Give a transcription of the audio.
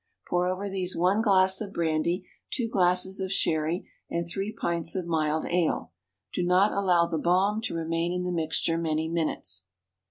Pour over these one glass of brandy, two glasses of sherry, and three pints of mild ale. Do not allow the balm to remain in the mixture many minutes.